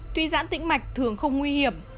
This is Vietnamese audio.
tuy dãn tĩnh mạch thường không nguy hiểm